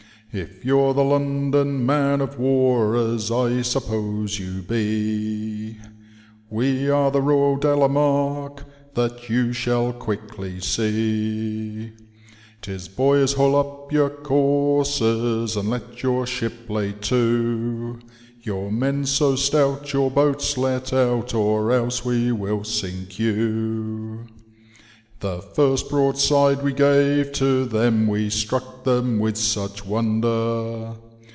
If you're the London man of war, as I suppose you be, We are the Royal Delamarquej that you shall quickly see : 'Tis, boys, haul up your courses 1 and let your ship lay to. Your men so stout, your boats let out, or else we will sink you.' The first broadside we gave to them we struck them with such wonder.